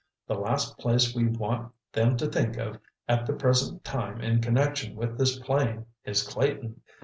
The last place we want them to think of at the present time in connection with this plane is Clayton!"